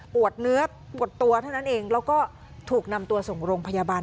เนื้อปวดตัวเท่านั้นเองแล้วก็ถูกนำตัวส่งโรงพยาบาล